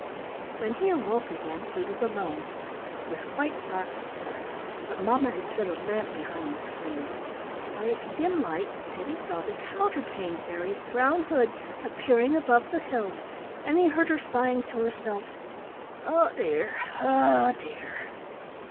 When he awoke again he was alone; it was quite dark outside, but mamma had set a lamp behind the screen. By its dim light Teddy saw the Counterpane Fairy's brown hood appearing above the hill, and he heard her sighing to herself: "Oh dear! oh dear!"